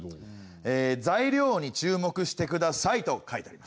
「材料に注目してください」と書いてあります。